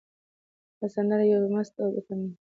دا سندره په یو مست او طنان غږ ویل کېږي.